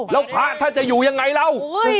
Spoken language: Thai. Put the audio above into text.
แล้วพระท่านจะอยู่ยังไงเรา